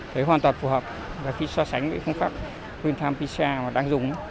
thấy hoàn toàn phù hợp và khi so sánh với phương pháp real time pcr mà đang dùng